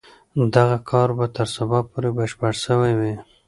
دغه کار به تر سبا پورې بشپړ سوی وي.